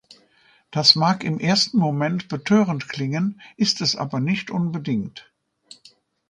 Das mag im ersten Moment betörend klingen, ist es aber nicht unbedingt.